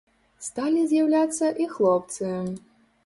Сталі з'яўляцца і хлопцы.